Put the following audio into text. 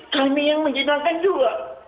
kami yang menjidikan juga